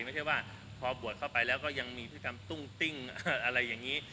ไม่ใช่ว่าพอบวชเข้าไปแล้วก็ยังมีพฤติกรรมตุ้งติ้งอะไรอย่างนี้